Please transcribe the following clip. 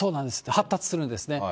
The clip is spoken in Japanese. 発達するんですね。